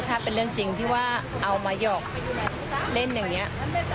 ถ้าเป็นเรื่องจริงที่ว่าเอามาหยอกเล่นอย่างนี้